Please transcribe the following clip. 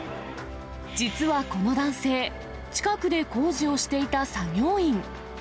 実はこの男性、近くで工事をしていた作業員。